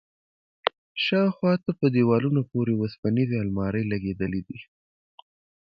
شاوخوا ته په دېوالونو پورې وسپنيزې المارۍ لگېدلي دي.